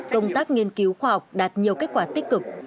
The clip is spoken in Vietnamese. công tác nghiên cứu khoa học đạt nhiều kết quả tích cực